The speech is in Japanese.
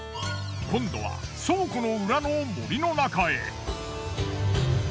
今度は倉庫の裏の森の中へ。